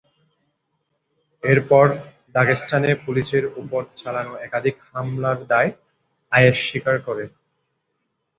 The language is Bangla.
এরপর দাগেস্তানে পুলিশের ওপর চালানো একাধিক হামলার দায় আইএস স্বীকার করে।